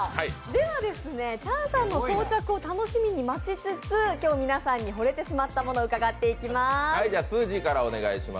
では、チャンさんの到着を楽しみに待ちつつ今日皆さんにほれてしまったものを伺っていきます。